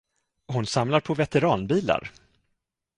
Hon samlar på veteranbilar.